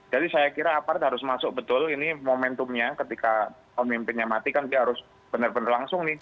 jadi saya kira aparat harus masuk betul ini momentumnya ketika pemimpinnya mati kan dia harus benar benar langsung nih